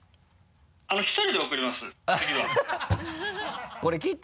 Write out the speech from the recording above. １人で送ります次は。